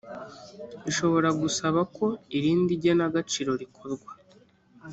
ishobora gusaba ko irindi genagaciro rikorwa.